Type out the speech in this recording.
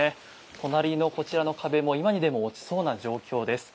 隣のこちらの壁も今にでも落ちそうな状況です。